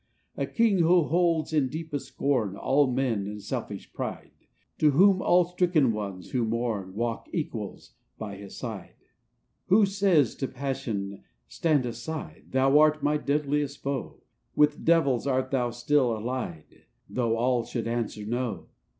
v "A king, who holds in deepest scorn All mean and selfish pride; To whom all stricken ones who mourn, Walk equals by his side. KING WILL. 99 "Who says to Passion, 'Stand aside; Thou art my deadliest foe: With devils art thou still allied, Though all should answer no